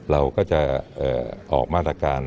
เราก็จะออกมาตรการ